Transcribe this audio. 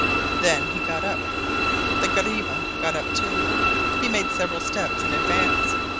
Then he got up. The guariba got up too. He made several steps in advance.